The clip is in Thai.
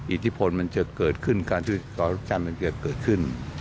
อิทธิพลมันจะเกิดขึ้นการช่วยจัดการทุกช่านมันจะเกิดขึ้น